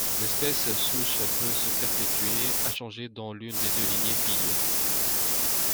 L'espèce souche peut se perpétuer, inchangée, dans l'une des deux lignées filles.